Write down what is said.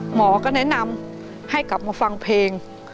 หมอก็แนะนำให้กลับมาฟังเพลง